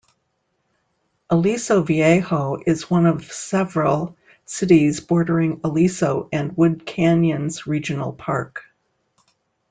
Aliso Viejo is one of several cities bordering Aliso and Wood Canyons Regional Park.